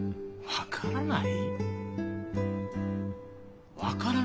分からない！？